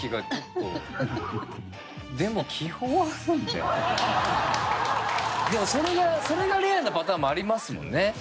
でもそれがそれがレアなパターンもありますもんね。